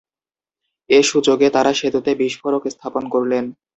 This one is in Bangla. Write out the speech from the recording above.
এ সুযোগে তারা সেতুতে বিস্ফোরক স্থাপন করলেন।